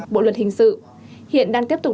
bộ luật hình sự hiện đang tiếp tục